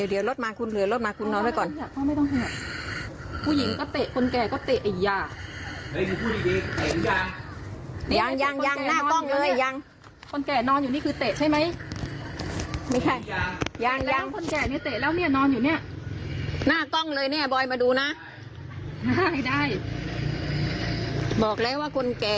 อีกมุมนิ่งก็เตะคนแก่ก็เตะไอ้ยา